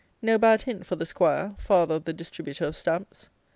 No bad hint for the 'Squire, father of the distributor of Stamps.